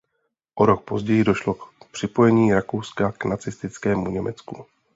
O rok později došlo k připojení Rakouska k nacistickému Německu.